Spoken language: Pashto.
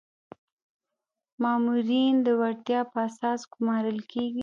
مامورین د وړتیا په اساس ګمارل کیږي